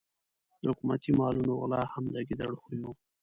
د حکومتي مالونو غلا هم د ګیدړ خوی وو.